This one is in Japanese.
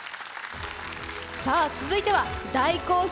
続いては大好評